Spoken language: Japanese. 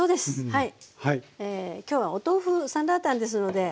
はい。